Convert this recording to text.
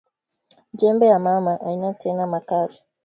Jembe ya mama aina tena makari